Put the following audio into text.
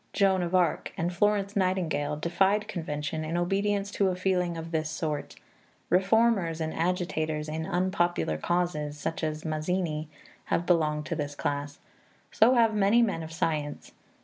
Joan of Arc and Florence Nightingale defied convention in obedience to a feeling of this sort; reformers and agitators in unpopular causes, such as Mazzini, have belonged to this class; so have many men of science.